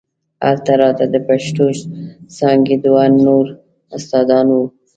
هلته راته د پښتو څانګې دوه نور استادان وو.